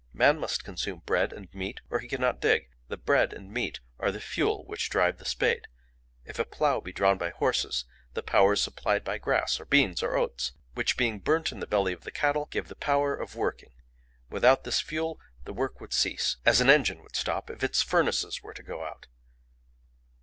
Man must consume bread and meat or he cannot dig; the bread and meat are the fuel which drive the spade. If a plough be drawn by horses, the power is supplied by grass or beans or oats, which being burnt in the belly of the cattle give the power of working: without this fuel the work would cease, as an engine would stop if its furnaces were to go out.